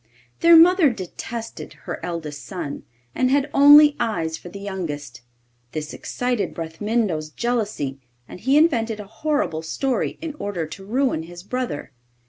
Their mother detested her eldest son, and had only eyes for the youngest. This excited Bramintho's jealousy, and he invented a horrible story in order to ruin his brother.